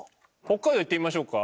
北海道行ってみましょうか。